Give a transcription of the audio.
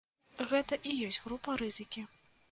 Гэта і ёсць група рызыкі.